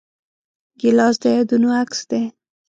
ګیلاس د یادونو عکس دی.